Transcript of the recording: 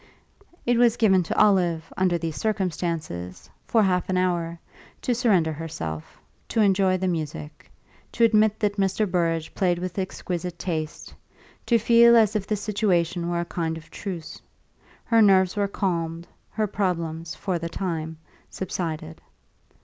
It was given to Olive, under these circumstances, for half an hour, to surrender herself, to enjoy the music, to admit that Mr. Burrage played with exquisite taste, to feel as if the situation were a kind of truce. Her nerves were calmed, her problems for the time subsided.